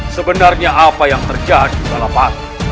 sebenarnya apa yang terjadi adalah bahagia